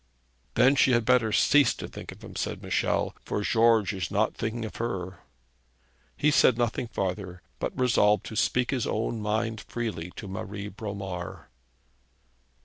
'Then she had better cease to think of him,' said Michel; 'for George is not thinking of her.' He said nothing farther, but resolved to speak his own mind freely to Marie Bromar.